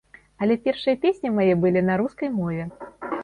Але першыя песні мае былі на рускай мове.